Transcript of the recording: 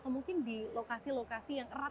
atau mungkin di lokasi lokasi yang erat